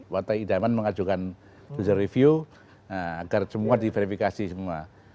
warta idaman mengajukan user review agar semua diverifikasi semua